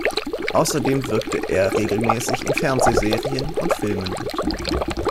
Außerdem wirkte er regelmäßig in Fernsehserien und -filmen mit.